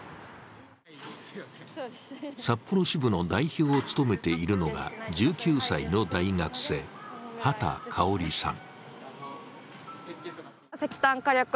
札幌支部の代表を務めているのが１９歳の大学生、畑香里さん。